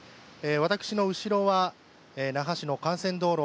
私の後ろは那覇市の幹線道路